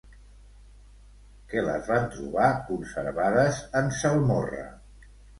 Que les van trobar conservades en salmorra.